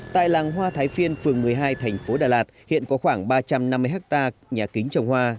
tại làng hoa thái phiên phường một mươi hai thành phố đà lạt hiện có khoảng ba trăm năm mươi hectare nhà kính trồng hoa